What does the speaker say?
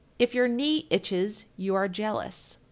If your knee itches, you are jealous.